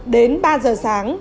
đến ba giờ sáng